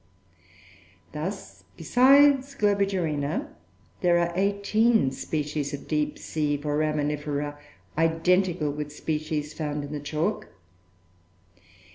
Thus besides Globigerina, there are eighteen species of deep sea Foraminifera identical with species found in the chalk.